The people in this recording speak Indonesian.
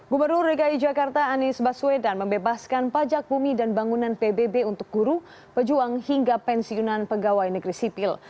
gubernur dki jakarta anies baswedan membebaskan pajak bumi dan bangunan pbb untuk guru pejuang hingga pensiunan pegawai negeri sipil